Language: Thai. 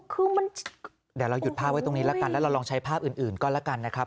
คือมันเดี๋ยวเราหยุดภาพไว้ตรงนี้ละกันแล้วเราลองใช้ภาพอื่นก็แล้วกันนะครับ